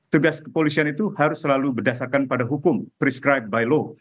tugas kepolisian itu harus selalu berdasarkan pada hukum prescribe by law